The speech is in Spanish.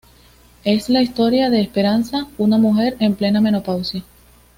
Es la historia de Esperanza, una mujer en plena menopausia.